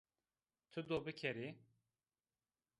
Ti do bikerê